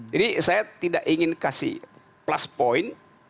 jadi saya tidak ingin memberikan plus point